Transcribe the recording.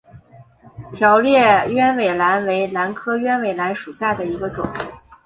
条裂鸢尾兰为兰科鸢尾兰属下的一个种。